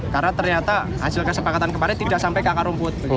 karena ternyata hasil kesepakatan kemarin tidak sampai kakar rumput